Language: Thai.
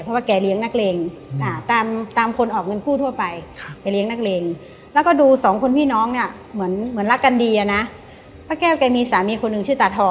เพราะว่าแกเลี้ยงนักเลง